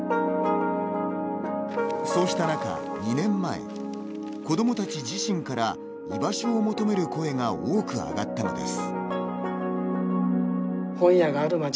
そうした中、２年前子どもたち自身から居場所を求める声が多くあがったのです。